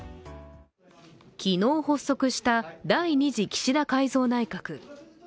昨日発足した第２次岸田改造内閣。